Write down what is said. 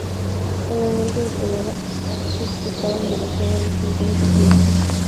En el momento de su boda, Hicks estaba embarazada de cinco meses y medio.